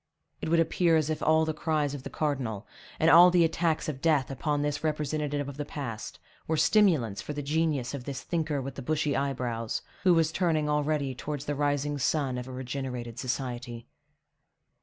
It would appear as if all the cries of the cardinal, and all the attacks of death upon this representative of the past, were stimulants for the genius of this thinker with the bushy eyebrows, who was turning already towards the rising sun of a regenerated society.